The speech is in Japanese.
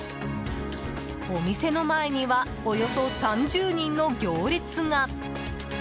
お店の前にはおよそ３０人の行列が。